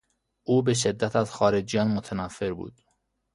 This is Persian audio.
او به شدت از خارجیان متنفر بود.